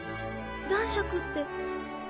男爵って？